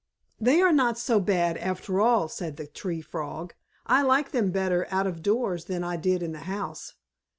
"They are not so bad after all," said the Tree Frog. "I like them better out of doors than I did in the house.